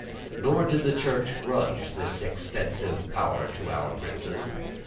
Nor did the Church grudge this extensive power to our princes.